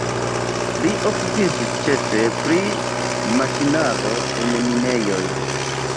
Li okupiĝis ĉefe pri maŝinaro en minejoj.